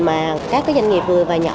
mà các doanh nghiệp vừa và nhỏ